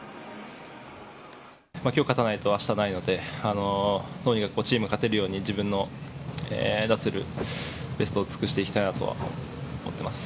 きょう勝たないとあしたないので、とにかくチームが勝てるように、自分の出せるベストを出していきたいなと思っています。